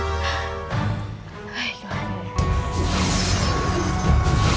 tidak ada yang bisa mengobatinmu